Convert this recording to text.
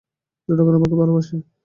জনগণ আমাকে ভালোবাসে।